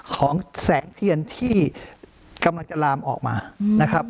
ของแสงเทียนที่กำลังจะลามออกมานะครับ